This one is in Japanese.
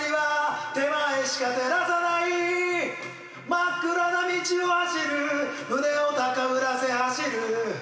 真暗な道を走る胸を高ぶらせ走る